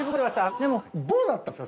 でもどうだったんですか？